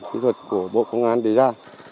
kỹ thuật của bộ công an để ra